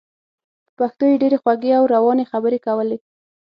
په پښتو یې ډېرې خوږې او روانې خبرې کولې.